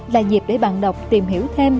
là dịp để bạn đọc tìm hiểu thêm